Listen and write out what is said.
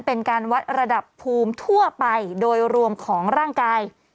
เป็นการวัดระดับภูมิทั่วไปโดยรวมของร่างกาย